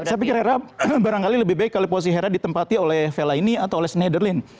saya pikir hera barangkali lebih baik kalau posisi hera ditempati oleh vela ini atau oleh sneiderlin